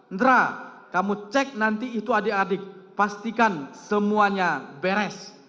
indra kamu cek nanti itu adik adik pastikan semuanya beres